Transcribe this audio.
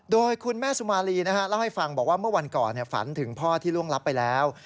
โดยคุณแม่สุมารีเล่าให้ฟังบอกว่าเมื่อวันก่อนฝันถึงพ่อที่ล่วงรับไปแล้ว